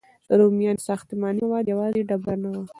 د رومیانو ساختماني مواد یوازې ډبره نه وه.